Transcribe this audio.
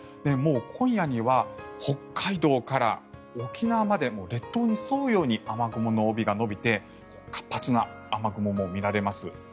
今夜には北海道から沖縄まで列島に沿うように雨雲の帯が延びて活発な雨雲も見られます。